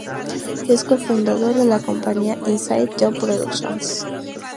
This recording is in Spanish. Es co-fundador de la compañía "Inside Job Productions".